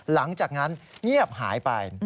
หลังจากนั้นเงียบหายไป